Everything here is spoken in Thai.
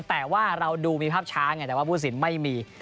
แต่ว่าเราดูมีภาพช้าไงแต่ว่าผู้สินไม่มี